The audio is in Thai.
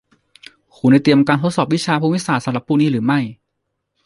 คุณได้เตรียมการทดสอบวิชาภูมิศาสตร์สำหรับพรุ่งนี้หรือไม่